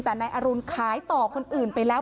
แต่นายอรุณขายต่อคนอื่นไปแล้ว